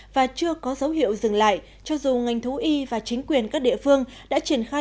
và chưa có dấu hiệu dừng lại cho dù ngành thú y và chính quyền các địa phương đã triển khai